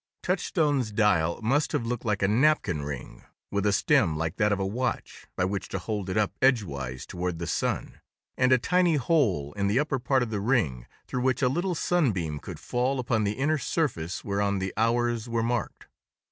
Touchstone's dial must have looked like a napkin ring, with a stem like that of a watch, by which to hold it up edgewise toward the sun, and a tiny hole in the upper part of the ring through which a little sunbeam could fall upon the inner surface whereon the hours were marked.